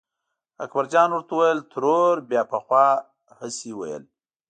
اکبرجان ورته وویل ترور بیا پخوا هسې ویل.